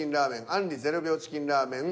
あんり「０秒チキンラーメン」。